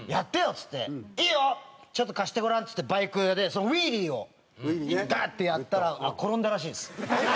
っつって「いいよ！ちょっと貸してごらん」っつってバイク屋でウイリーをガッてやったら転んだらしいんです。